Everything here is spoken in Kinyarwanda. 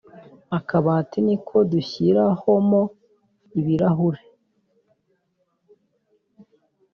akabati niko dushyirahomo ibirahure